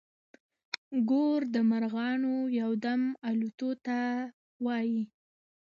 ګور د مرغانو يو دم الوتو ته وايي.